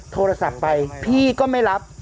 โทรศัพท์ไปพี่ก็ไม่รับ